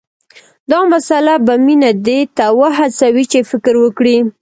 دا مسله به مينه دې ته وهڅوي چې فکر وکړي